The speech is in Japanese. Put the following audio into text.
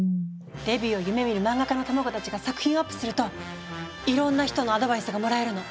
デビューを夢みるマンガ家の卵たちが作品をアップするといろんな人のアドバイスがもらえるの！